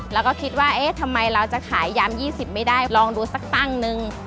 แล้วก็คิดว่าเอ๊ะทำไมเราจะขายยำ๒๐ไม่ได้ลองดูสักตั้งนึง